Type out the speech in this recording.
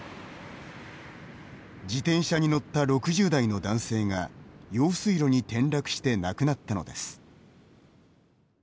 自転車に乗った６０代の男性が用水路に転落して亡くなったのです。